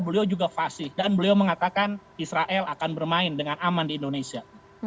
beliau juga fasih dan beliau mengatakan israel akan bermain dengan aman di indonesia